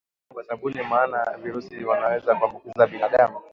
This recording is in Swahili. Kunawa mikono kwa sabuni maana virusi wanaweza kuambukiza binadamu